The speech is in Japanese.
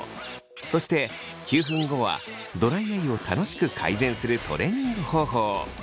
そして９分後はドライアイを楽しく改善するトレーニング方法を。